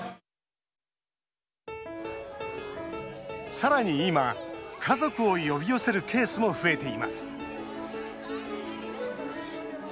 さらに今、家族を呼び寄せるケースも増えています。